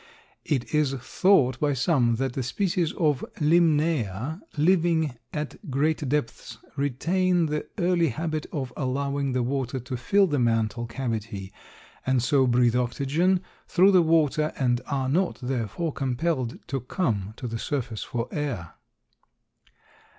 It is thought by some that the species of Limnaea living at great depths retain the early habit of allowing the water to fill the mantle cavity and so breathe oxygen through the water and are not, therefore, compelled to come to the surface for air.